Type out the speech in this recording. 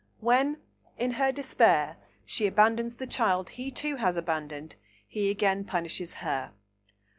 When, in her despair, she abandons the child he too has abandoned, he again punishes her.